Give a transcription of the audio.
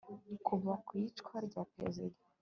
kuva ku iyicwa rya perezida